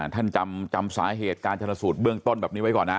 ท่านจำสาเหตุการชนสูตรเบื้องต้นแบบนี้ไว้ก่อนนะ